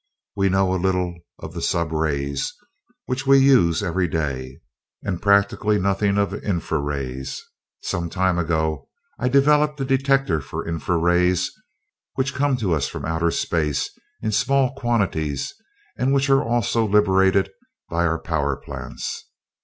We know a little of the sub rays, which we use every day, and practically nothing of the infra rays. Some time ago I developed a detector for infra rays, which come to us from outer space in small quantities and which are also liberated by our power plants.